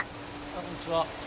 こんにちは。